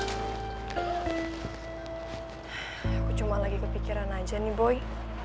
aku cuma lagi kepikiran aja nih boy